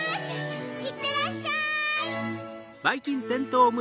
いってらっしゃい！